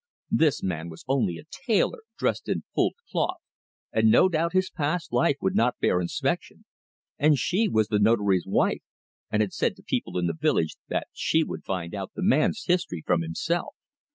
This man was only a tailor, dressed in fulled cloth, and no doubt his past life would not bear inspection; and she was the Notary's wife, and had said to people in the village that she would find out the man's history from himself.